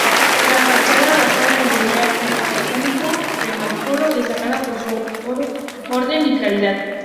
La fachada, basada en el ideal arquitectónico grecorromano, destaca por su orden y claridad.